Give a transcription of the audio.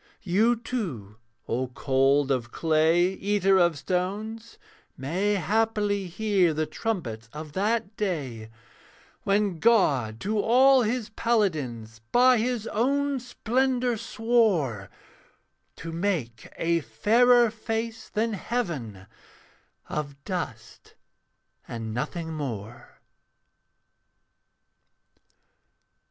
You, too, O cold of clay, Eater of stones, may haply hear The trumpets of that day 'When God to all his paladins By his own splendour swore To make a fairer face than heaven, Of dust and nothing more.'